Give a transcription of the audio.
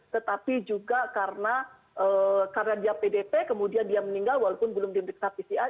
tetapi juga karena dia pdp kemudian dia meninggal walaupun belum diperiksa pcr